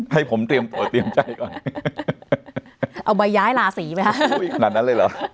ให้ผมเตรียมตัวเตรียมใจก่อนเอาใบย้ายลาศีไหมฮะอุ้ยขนาดนั้นเลยเหรอ